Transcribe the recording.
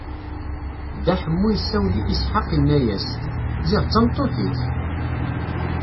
Dda Ḥemmu isawel i Isḥaq, inna-as: Ziɣ d tameṭṭut-ik!